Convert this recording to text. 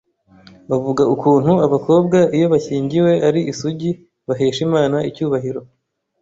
bavuga ukuntu abakobwa iyo bashyingiwe ari isugi bahesha Imana icyubahiro